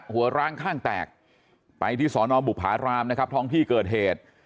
ร้างข้างแตกไปที่สอนอบุภารามนะครับท้องที่เกิดเหตุ